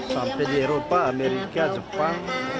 sampai di eropa amerika jepang